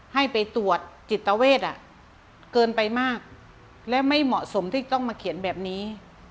ให้ไปตรวจจิตเวทเกินไปมากและไม่เหมาะสมที่ต้องมาเขียนแบบนี้